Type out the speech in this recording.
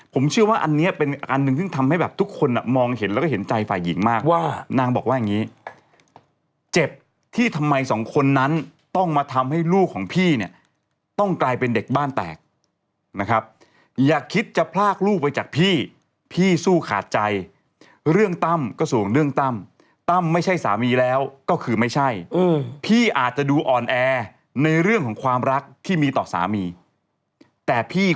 ผมเชื่อว่าอันนี้เป็นอันหนึ่งซึ่งทำให้แบบทุกคนอ่ะมองเห็นแล้วก็เห็นใจฝ่ายหญิงมากว่านางบอกว่าอย่างนี้เจ็บที่ทำไมสองคนนั้นต้องมาทำให้ลูกของพี่เนี่ยต้องกลายเป็นเด็กบ้านแตกนะครับอย่าคิดจะพลากลูกไปจากพี่พี่สู้ขาดใจเรื่องตั้มก็สูงเรื่องตั้มตั้มไม่ใช่สามีแล้วก็คือไม่ใช่พี่อาจจะดูอ่อนแอในเรื่องของความรักที่มีต่อสามีแต่พี่